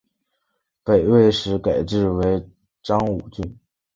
北魏时改置为章武郡。